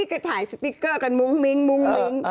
ก็ถ่ายสติกเกอร์กันมุ้งมิ้ง